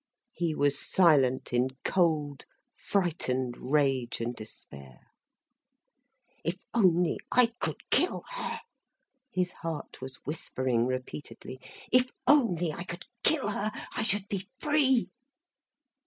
He was silent in cold, frightened rage and despair. "If only I could kill her," his heart was whispering repeatedly. "If only I could kill her—I should be free."